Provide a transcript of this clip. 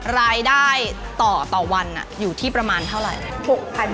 รายได้ต่อวันอยู่ที่ประมาณเท่าไหร่